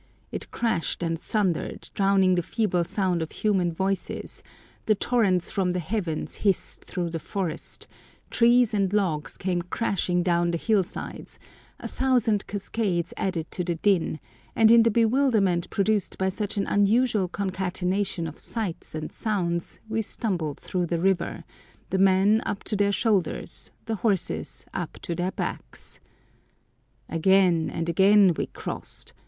It crashed and thundered, drowning the feeble sound of human voices, the torrents from the heavens hissed through the forest, trees and logs came crashing down the hillsides, a thousand cascades added to the din, and in the bewilderment produced by such an unusual concatenation of sights and sounds we stumbled through the river, the men up to their shoulders, the horses up to their backs. Again and again we crossed.